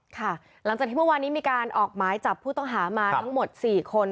ค่ะหลังจากที่เมื่อวานนี้มีการออกหมายจับผู้ต้องหามาทั้งหมด๔คน